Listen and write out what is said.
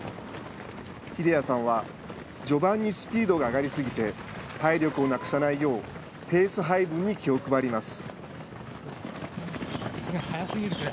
秀哉さんは、序盤にスピードが上がり過ぎて、体力をなくさないよう、ペース配分に気を配ります。